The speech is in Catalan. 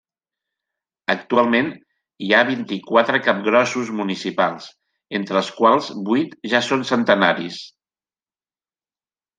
Actualment, hi ha vint-i-quatre capgrossos municipals, entre els quals vuit ja són centenaris.